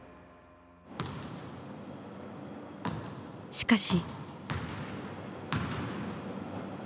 しかし。